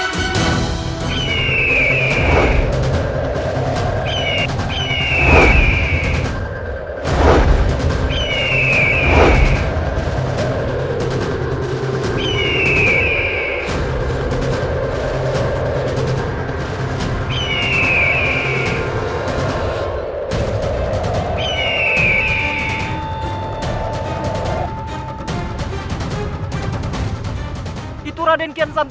dari jarak jauh